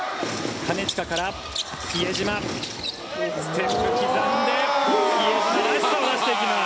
金近から比江島ステップ刻んで比江島が出していきます。